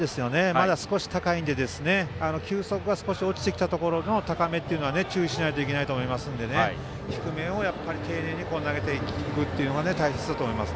まだ少し高いので球速が少し落ちてきたところでの高めというのは注意しないといけないと思いますので、低めに丁寧に投げていくことが大切だと思います。